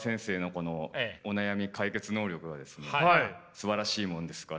すばらしいもんですから。